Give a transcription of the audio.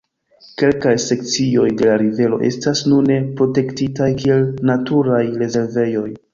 Kelkaj sekcioj de la rivero estas nune protektitaj kiel naturaj rezervejoj.